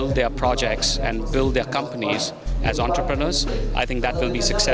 dan membangun proyek mereka dan membangun perusahaan mereka sebagai pembangunan